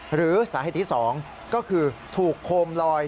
หรือสาเหตุที่๒ก็คือถูกโคมลอย